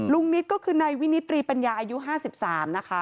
นิดก็คือนายวินิตรีปัญญาอายุ๕๓นะคะ